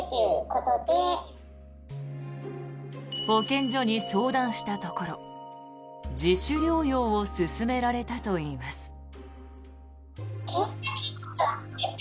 保健所に相談したところ自主療養を勧められたといいます。